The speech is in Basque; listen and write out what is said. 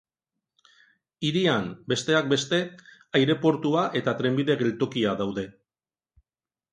Hirian, besteak beste, aireportua eta trenbide-geltokia daude.